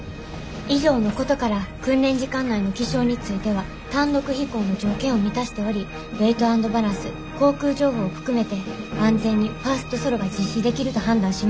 以上のことから訓練時間内の気象については単独飛行の条件を満たしておりウエイト＆バランス航空情報を含めて安全にファーストソロが実施できると判断しました。